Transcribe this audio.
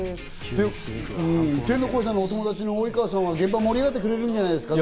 天の声さんのお友達の及川さんは現場を盛り上げてくれるんじゃないですか。